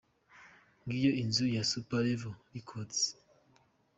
Ngiyo inzu ya Super Level Records.